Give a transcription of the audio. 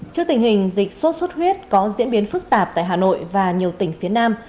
trước tình hình dịch sốt xuất huyết có diễn biến phức tạp tại hà nội và nhiều tỉnh phía nam